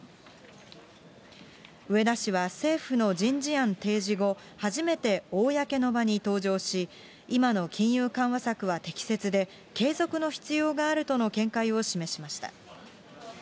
植田氏は、政府の人事案提示後、初めて公の場に登場し、今の金融緩和策は適切で、継続の必要があるとの見解を示しました。